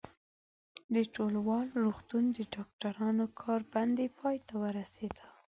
د ټولوال روغتون د ډاکټرانو کار بندي پای ته ورسېده.